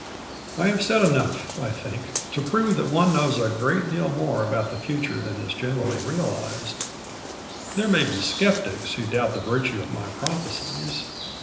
I have said enough, I think, to prove that one knows a great deal more about the future than is generally realised. There may be sceptics who doubt the virtue of my prophecies.